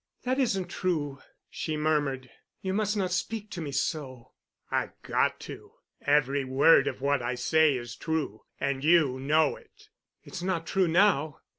"That isn't true," she murmured. "You must not speak to me so." "I've got to. Every word of what I say is true—and you know it." "It's not true now."